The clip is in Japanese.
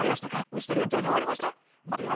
虫とりは順調に終わりましたか？